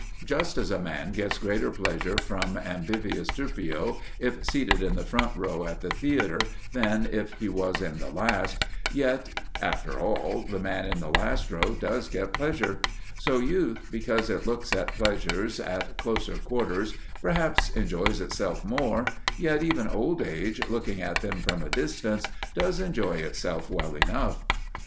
Just as a man gets greater pleasure from Ambivius Turpio if seated in the front row at the theatre than if he was in the last, yet, after all, the man in the last row does get pleasure; so youth, because it looks at pleasures at closer quarters, perhaps enjoys itself more, yet even old age, looking at them from a distance, does enjoy itself well enough.